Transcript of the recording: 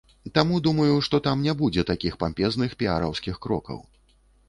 Таму думаю, што там не будзе такіх пампезных піараўскіх крокаў.